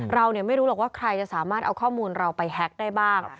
เราไม่รู้หรอกว่าใครจะสามารถเอาข้อมูลเราไปแฮ็กได้บ้าง